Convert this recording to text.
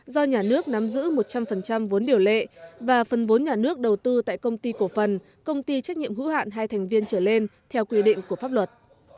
do nhà nước nắm giữ một trăm linh vốn điều lệ và phần vốn nhà nước đầu tư tại công ty cổ phần công ty trách nhiệm hữu hạn hai thành viên trở lên theo quy định của pháp luật